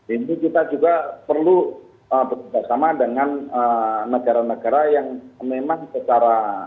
ini kita juga perlu bekerjasama dengan negara negara yang memang secara